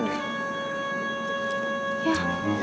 iya ini bukannya gue mau balik ya